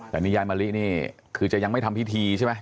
แต่นี่ยายมะลินี่คือจะยังไม่ทำพิธีใช่ไหม